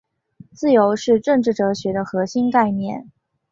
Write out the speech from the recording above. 自由是政治哲学的核心概念。